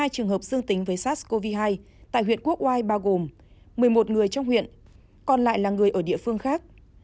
hai mươi hai trường hợp xương tính với sars cov hai tại huyện quốc hoa bao gồm một mươi một người trong huyện còn lại là người ở địa phương khác